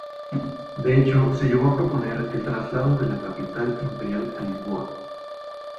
De hecho se llegó a proponer el traslado de la capital imperial a Lisboa.